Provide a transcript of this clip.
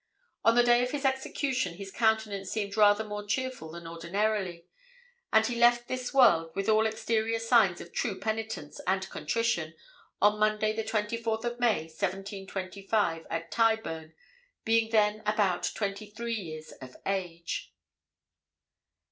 On the day of his execution his countenance seemed rather more cheerful than ordinarily, and he left this world with all exterior signs of true penitence and contrition, on Monday, the 24th of May, 1725, at Tyburn, being then about twenty three years of age.